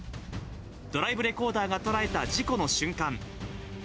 ドライブレコーダーが捉えた事故の瞬間。